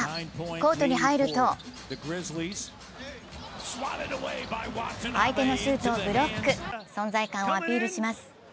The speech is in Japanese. コートに入ると相手のシュートをブロック、存在感をアピールします。